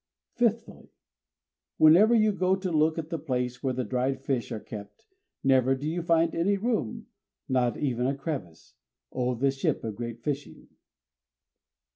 _ Fifthly, Whenever you go to look at the place where the dried fish are kept, never do you find any room, not even a crevice. _O this ship of great fishing!